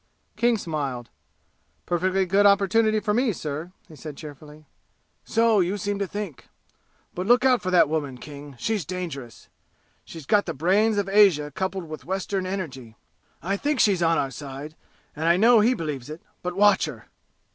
King smiled. "Perfectly good opportunity for me, sir!" he said cheerfully. "So you seem to think. But look out for that woman, King she's dangerous. She's got the brains of Asia coupled with Western energy! I think she's on our side, and I know he believes it; but watch her!"